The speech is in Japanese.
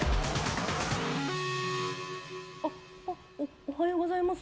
お、お、おはようございます。